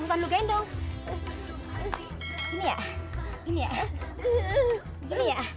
gendong ya gini ya gini ya